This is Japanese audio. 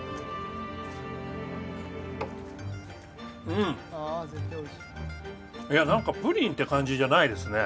うんいや何かプリンって感じじゃないですね